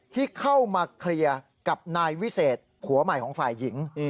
ที่เข้ามาเคลียร์กับนายวิเศษผัวใหม่ของฝ่ายหญิง